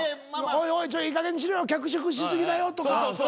おいおいええかげんにしろよ脚色し過ぎだよとか。